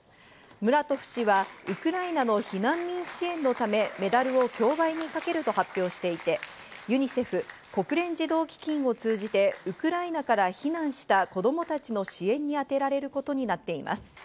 ムラトフ氏はウクライナの避難民支援のため、メダルを競売にかけると発表していて、ユニセフ＝国連児童基金を通じてウクライナから避難した子供たちの支援に充てられることになっています。